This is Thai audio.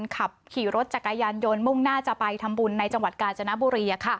ขับขี่รถจักรยานยนต์มุ่งหน้าจะไปทำบุญในจังหวัดกาญจนบุรี